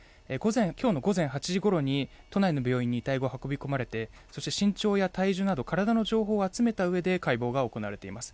今日の午前８時半ごろに都内の病院に遺体が運び込まれていて身長や体重など体の情報を集めたうえで解剖が行われています。